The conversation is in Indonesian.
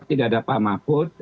tidak ada pak mahfud